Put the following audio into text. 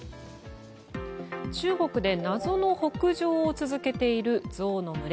中国で謎の北上を続けているゾウの群れ。